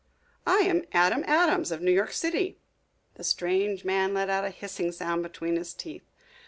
"I am Adam Adams, of New York City." The strange man let out a hissing sound between his teeth.